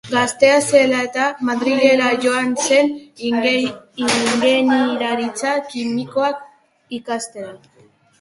Gaztea zela Madrilera joan zen ingeniaritza kimikoa ikastera.